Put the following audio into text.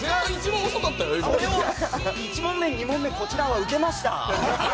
１問目、２問目こちらは受けました。